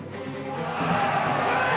来い！